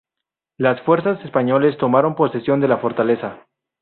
Las fuerzas españolas tomaron posesión de la fortaleza.